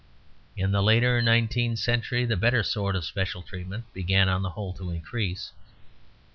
In the later nineteenth century the better sort of special treatment began on the whole to increase.